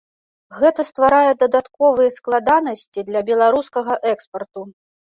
Гэта стварае дадатковыя складанасці для беларускага экспарту.